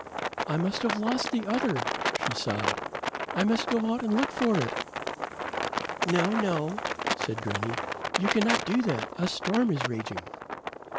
"I must have lost the other," she sobbed. "I must go out and look for it." "No, no," said granny. "You cannot do that. A storm is raging."